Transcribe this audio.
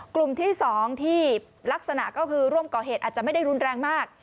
กลุ่มที่๒ที่ลักษณะก็คือร่วมก่อเหตุอาจจะไม่ได้รุนแรงมาก